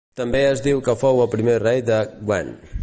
També es diu que fou el primer rei de Gwent.